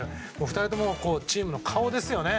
２人ともチームの顔ですよね。